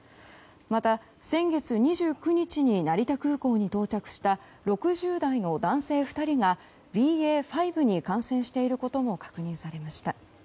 また、先月２９日に成田空港に到着した６０代の男性２人がＢＡ．５に感染していることも確認されました。